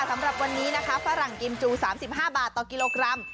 สำหรับวันนี้นะคะฝรั่งกิมจู๓๕บาทต่อกิโลกรัม